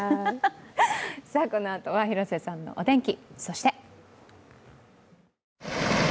このあとは広瀬さんのお天気。